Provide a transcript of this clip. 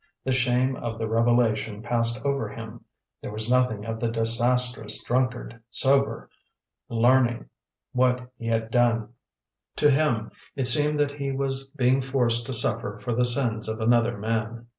The shame of the revelation passed over him; there was nothing of the disastrous drunkard, sober, learning what he had done. To him, it seemed that he was being forced to suffer for the sins of another man.